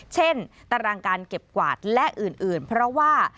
ตารางการเก็บกวาดและอื่นเพราะว่า